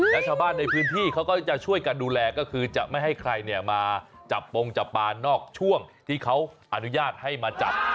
แล้วชาวบ้านในพื้นที่เขาก็จะช่วยกันดูแลก็คือจะไม่ให้ใครเนี่ยมาจับปงจับปลานอกช่วงที่เขาอนุญาตให้มาจับ